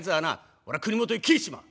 俺は国元へ帰しちまう！」。